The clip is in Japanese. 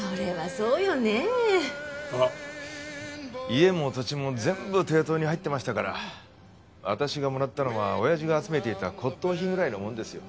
家も土地も全部抵当に入ってましたから私がもらったのは親父が集めていた骨董品ぐらいなものですよ。